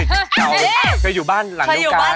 เคยอยู่บ้านหลังเดียวกัน